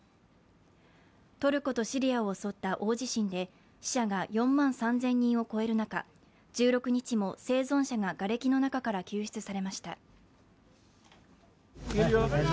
トルコとシリアを襲った大地震で死者が４万３０００人を超える中、１６日も生存者ががれきの中から救出されました。